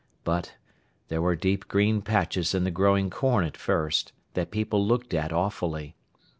But, there were deep green patches in the growing corn at first, that people looked at awfully.